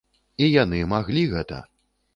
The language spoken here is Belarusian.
І яны маглі гэта!